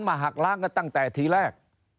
หักล้างกันตั้งแต่ทีแรก